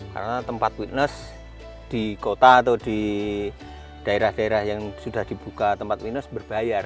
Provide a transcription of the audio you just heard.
karena tempat witness di kota atau di daerah daerah yang sudah dibuka tempat witness berbayar